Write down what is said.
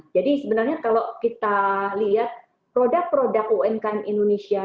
jadi sebenarnya kalau kita lihat produk produk umkm indonesia